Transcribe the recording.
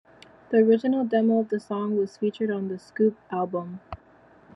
The original demo of the song, was featured on the "Scoop" album.